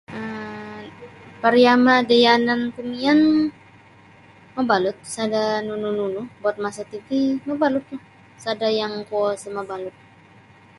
um Pariama da yananku miyan mabalut sada nunu-nunu buat masa titi mabalutlah sada yang kuo sa mabalut.